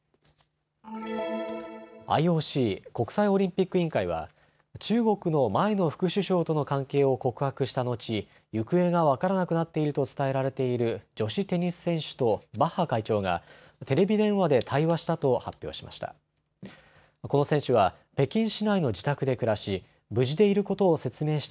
ＩＯＣ・国際オリンピック委員会は中国の前の副首相との関係を告白した後、行方が分からなくなっていると伝えられている女子テニス選手とバッハ会長がテレビ電話で対話したと発表しました。